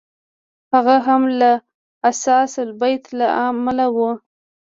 هغه هم له اثاث البیت له امله و.